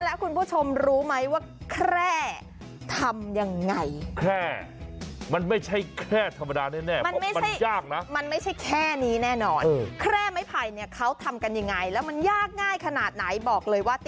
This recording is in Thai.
แล้วคุณผู้ชมรู้ไหมว่าแค่ทำยังไงแค่มันไม่ใช่แค่ธรรมดาแน่มันไม่ใช่แค่นี้แน่นอนแค่ไม่ภัยเนี่ยเขาทำกันยังไงแล้วมันยากง่ายขนาดไหนบอกเลยว่าติด